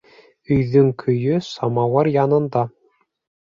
Өйҙөң көйө самауыр янында.